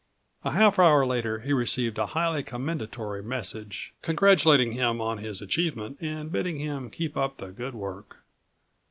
A half hour later he received a highly commendatory76 message, congratulating him on his achievement and bidding him keep up the good work.